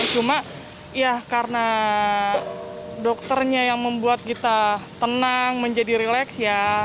cuma ya karena dokternya yang membuat kita tenang menjadi relax ya